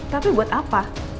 tapi buat apa